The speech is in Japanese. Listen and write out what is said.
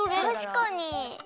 たしかに！